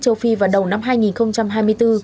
châu phi vào đầu năm hai nghìn hai mươi bốn